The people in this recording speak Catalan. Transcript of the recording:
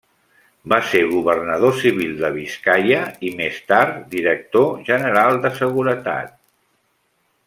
Va ser governador civil de Biscaia, i més tard Director general de Seguretat.